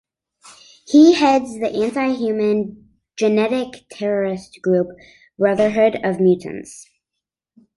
He heads the anti-human, genetic terrorist group Brotherhood of Mutants.